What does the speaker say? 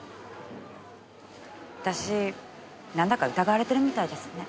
私なんだか疑われてるみたいですね。